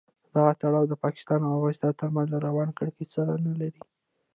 دغه تړاو د پاکستان او افغانستان تر منځ له روان کړکېچ سره نه لري.